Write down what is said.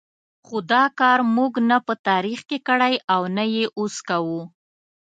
خو دا کار موږ نه په تاریخ کې کړی او نه یې اوس کوو.